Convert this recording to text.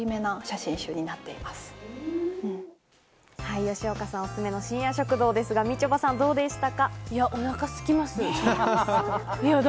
吉岡さんおすすめの『深夜食堂』ですが、みちょぱさん、どうでしたか？